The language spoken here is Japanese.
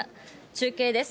中継です。